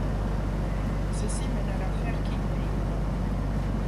Ceci mène à l'Affaire King-Byng.